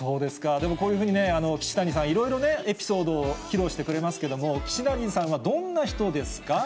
でもこういうふうに岸谷さん、いろいろね、エピソードを披露してくれますけれども、岸谷さんはどんな人です